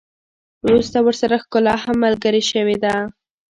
وروسته ورسره ښکلا هم ملګرې شوې ده.